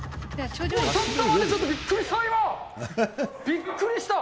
ちょっと待って、びっくりした、びっくりした！